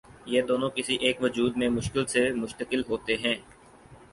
یہ دونوں کسی ایک وجود میں مشکل سے متشکل ہوتے ہیں۔